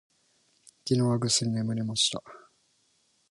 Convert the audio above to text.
昨日はぐっすり眠れました。